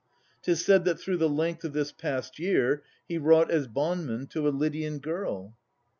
'Tis said that through the length of this past year He wrought as bondman to a Lydian girl.